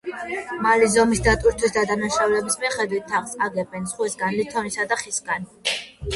მალის ზომის, დატვირთვისა და დანიშნულების მიხედვით თაღს აგებენ ქვისაგან, ლითონისა და ხისაგან.